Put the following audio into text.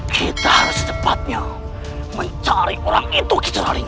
kita harus cepatnya mencari orang itu kicoraling